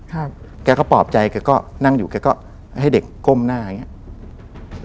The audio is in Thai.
แกก็ปลอบใจแกก็นั่งอยู่แกก็ให้เด็กก้มหน้าอย่างเงี้ย